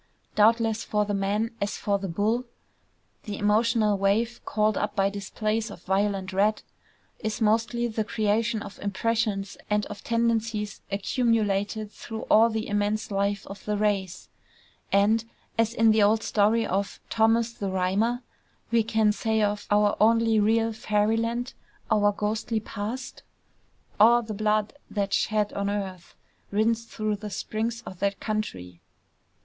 Doubtless for the man, as for the bull, the emotional wave called up by displays of violent red, is mostly the creation of impressions and of tendencies accumulated through all the immense life of the race; and, as in the old story of Thomas the Rhymer, we can say of our only real Fairy land, our ghostly past, ... "_A' the blude that's shed on earth Rins through the springs o' that Countrie.